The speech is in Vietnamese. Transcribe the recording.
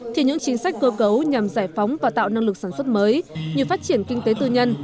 thì những chính sách cơ cấu nhằm giải phóng và tạo năng lực sản xuất mới như phát triển kinh tế tư nhân